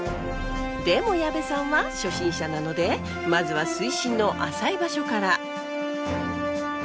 でも矢部さんは初心者なのでまずは水深の浅い場所から。